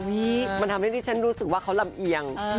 มันทำให้ที่ฉันรู้สึกว่าเขาลำเอียง